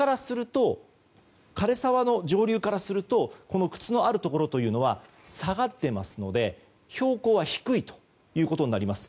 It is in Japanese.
枯れ沢の上流からするとこの靴のあるところというのは下がっていますので標高は低いということになります。